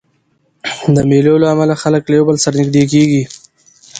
د مېلو له امله خلک له یو بل سره نږدې کېږي.